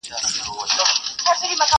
په علاج یې سول د ښار طبیبان ستړي!.